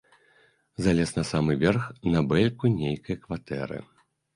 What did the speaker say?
Залез на самы верх, на бэльку нейкай кватэры.